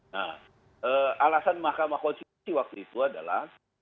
nah alasan mahkamah konstitusi waktu itu adalah